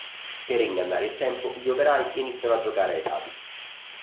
Per ingannare il tempo gli operai iniziano a giocare ai dadi.